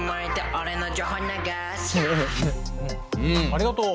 ありがとう。